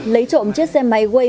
lấy trộm chiếc xe máy quay